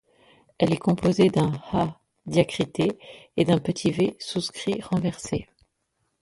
Elle est composée d’un ḥā diacrité d’un petit v souscrit renversé.